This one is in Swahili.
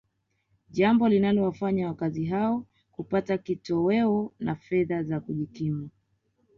jambo linalowafanya wakazi hao kupata kitoweo na fedha za kujikimu